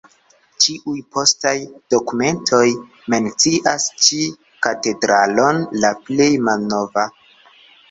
Ĉiuj postaj dokumentoj mencias ĉi katedralon la plej malnova.